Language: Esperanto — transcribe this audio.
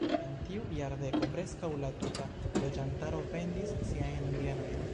En tiu jardeko preskaŭ la tuta loĝantaro vendis siajn bienojn.